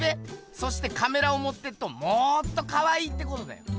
そしてカメラをもってっともっとかわいいってことだよ。